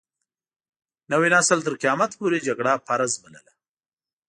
نوي نسل تر قيامت پورې جګړه فرض بلله.